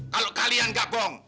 kalau kalian gak bohong